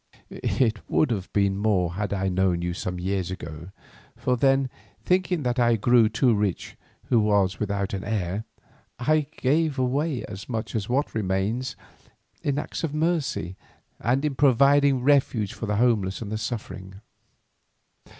It would have been more had I known you some years ago, for then, thinking that I grew too rich who was without an heir, I gave away as much as what remains in acts of mercy and in providing refuge for the homeless and the suffering.